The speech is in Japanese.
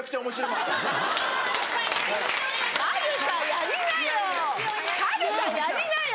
かるたやりなよ！